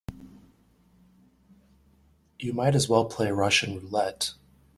You might as well play Russian roulette.